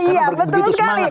iya betul sekali